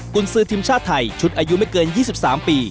คุณซื้อทีมชาติไทยชุดอายุไม่เกิน๒๓ปี